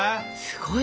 すごい！